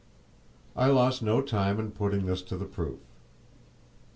I lost no time in putting this to the proof.